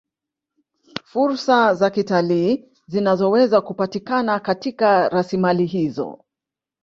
Fursa za kitalii zinazoweza kupatikana katika rasimali hizo